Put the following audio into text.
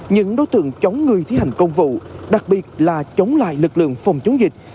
những đối tượng chống người thi hành công vụ đặc biệt là chống lại lực lượng phòng chống dịch